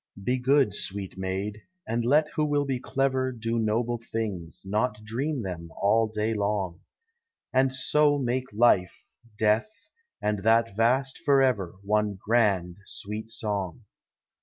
lie good, sweet maid, and let who will be clever; Do noble things, not dream them, all day long: And so make life, death, and that vast forever One grand, sweet song.